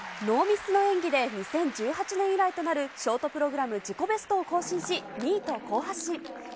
ノーミスの演技で、２０１８年以来となるショートプログラム自己ベストを更新し、２位と好発進。